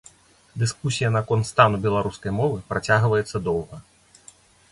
Дыскусія наконт стану беларускай мовы працягваецца доўга.